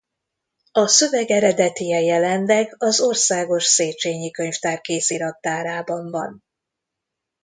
A szöveg eredetije jelenleg az Országos Széchényi Könyvtár Kézirattárában van.